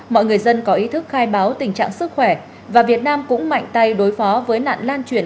mọi người dân có ý thức khai báo tình trạng sức khỏe và việt nam cũng mạnh tay đối phó với nạn lan truyền